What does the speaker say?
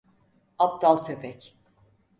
Aptal köpek.